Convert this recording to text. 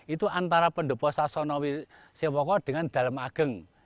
itu antara pendepo sasonowi sewoko dengan dalem ageng